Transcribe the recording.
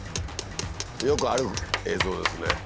よくある映像ですね。